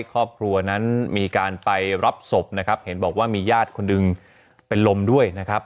ครอบครัวนั้นมีการไปรับศพนะครับเห็นบอกว่ามีญาติคนหนึ่งเป็นลมด้วยนะครับ